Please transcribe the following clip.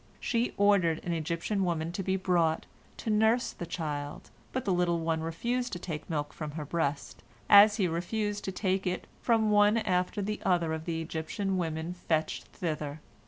She ordered an Egyptian woman to be brought, to nurse the child, but the little one refused to take milk from her breast, as he refused to take it from one after the other of the Egyptian women fetched thither.